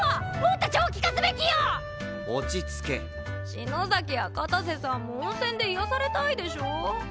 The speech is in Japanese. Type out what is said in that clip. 篠崎や片瀬さんも温泉で癒やされたいでしょ？